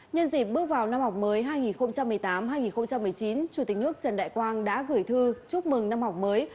nhân dịp bước vào năm học mới hai nghìn một mươi tám hai nghìn một mươi chín chủ tịch nước trần đại quang đã gửi thư chúc mừng năm học mới